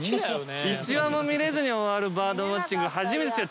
一羽も見れずに終わるバードウオッチング。